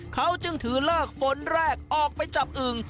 เขาจึงถือเลิกฝนแรกออกไปจับอึ่ง